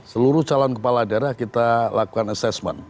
seluruh calon kepala daerah kita lakukan assessment